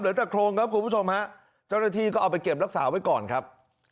แต่โครงครับคุณผู้ชมฮะเจ้าหน้าที่ก็เอาไปเก็บรักษาไว้ก่อนครับ